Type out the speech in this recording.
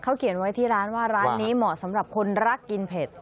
เขาเขียนไว้ที่ร้านว่าร้านนี้เหมาะสำหรับคนรักกินเผ็ด